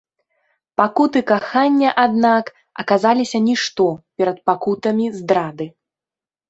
Пакуты кахання, аднак, аказаліся нішто перад пакутамі здрады.